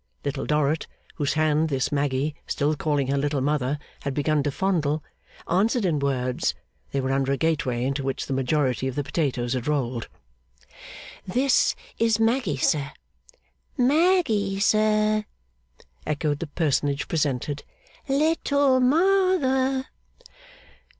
Little Dorrit, whose hand this Maggy, still calling her little mother, had begun to fondle, answered in words (they were under a gateway into which the majority of the potatoes had rolled). 'This is Maggy, sir.' 'Maggy, sir,' echoed the personage presented. 'Little mother!